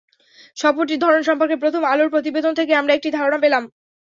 সফরটির ধরন সম্পর্কে প্রথম আলোর প্রতিবেদন থেকে আমরা একটি ধারণা পেলাম।